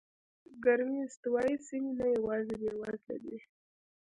ګرمې استوایي سیمې نه یوازې بېوزله دي.